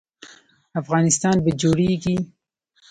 افغانستان به جوړیږي؟